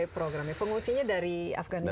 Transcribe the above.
programnya pengungsinya dari afganistan